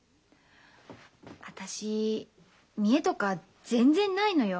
私見栄とか全然ないのよ。